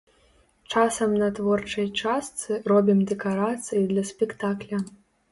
Часам на творчай частцы робім дэкарацыі для спектакля.